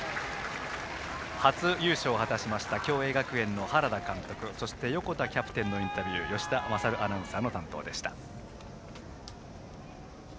初優勝を果たしました共栄学園の原田監督そして横田キャプテンのインタビュー吉田賢アナウンサーの担当でした。